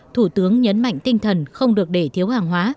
thủ tướng nhấn mạnh tinh thần không được để thiếu hàng hóa